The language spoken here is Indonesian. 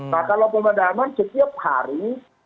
nah kalau pemadaman setiap hari